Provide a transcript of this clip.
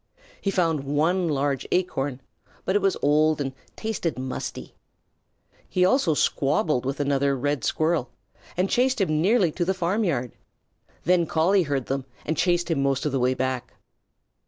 He found one large acorn, but it was old and tasted musty. He also squabbled with another Red Squirrel and chased him nearly to the farmyard. Then Collie heard them and chased him most of the way back.